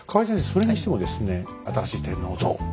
それにしてもですね新しい天皇像。